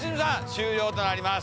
終了となります。